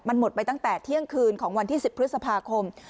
มันหมดไปตั้งแต่เที่ยงคืนของวันที่๑๐พฤษภาคม